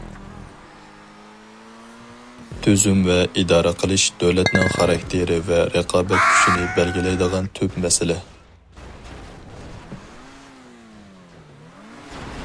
تۈزۈم ۋە ئىدارە قىلىش دۆلەتنىڭ خاراكتېرى ۋە رىقابەت كۈچىنى بەلگىلەيدىغان تۈپ مەسىلە.